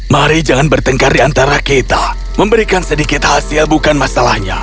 mari jangan bertengkar di antara kita memberikan sedikit hasil bukan masalahnya